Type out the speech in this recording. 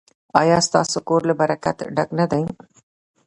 ایا ستاسو کور له برکت ډک نه دی؟